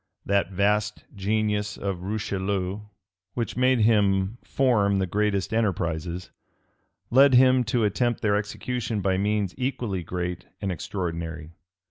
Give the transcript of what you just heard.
That vast genius of Richelieu, which made him form the greatest enterprises, led him to attempt their execution by means equally great and extraordinary.